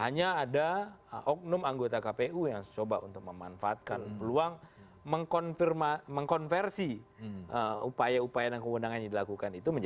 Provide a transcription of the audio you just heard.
hanya ada oknum anggota kpu yang coba untuk memanfaatkan peluang mengkonversi upaya upaya dan kewenangan yang dilakukan itu